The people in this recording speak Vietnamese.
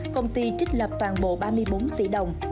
công ty trích lập toàn bộ ba mươi bốn tỷ đồng